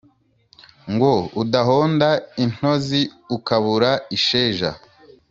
ngo udahonda intozi ukabura isheja